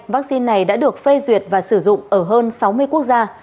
vaccine này đã được phê duyệt và sử dụng ở hơn sáu mươi quốc gia